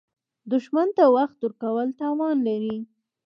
دښمن ته وخت ورکول تاوان لري